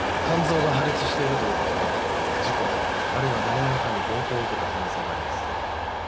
肝臓が破裂しているということは事故あるいは何者かに暴行を受けた可能性があります。